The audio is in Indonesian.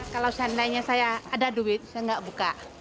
kalau seandainya saya ada duit saya nggak buka